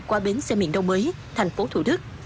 qua bến xe miền đông mới tp thủ đức